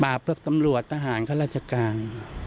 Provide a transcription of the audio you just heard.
มาเพิ่มสำรวจทหารเข้าราชการ